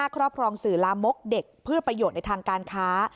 ครอบครองสื่อลามกเด็กเพื่อประโยชน์ในทางการค้า